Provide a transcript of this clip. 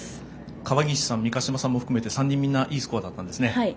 川岸さん、三ヶ島さん含めてみんないいスコアだったんですね。